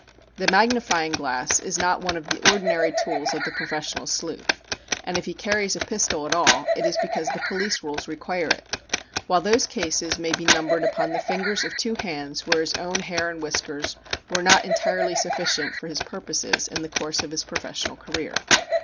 The magnifying glass is not one of the ordinary tools of the professional sleuth, and if he carries a pistol at all it is because the police rules require it, while those cases may be numbered upon the fingers of two hands where his own hair and whiskers are not entirely sufficient for his purposes in the course of his professional career.